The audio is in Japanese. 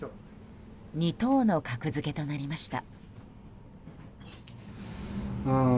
２等の格付けとなりました。